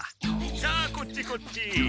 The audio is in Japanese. さあこっちこっち。